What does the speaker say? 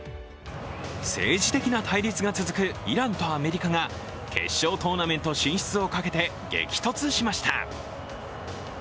政治的な対立が続くイランとアメリカが決勝トーナメント進出をかけて激突しました。